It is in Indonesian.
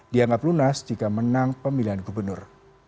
dianggap lunas jika menang pemilihan gubernur